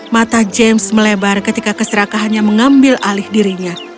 mata james melebar ketika keserakahannya mengambil alih dirinya